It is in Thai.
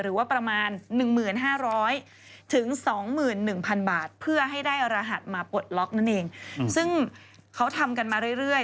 หรือว่าประมาณ๑๕๐๐๒๑๐๐๐บาทเพื่อให้ได้รหัสมาปลดล็อกนั่นเองซึ่งเขาทำกันมาเรื่อย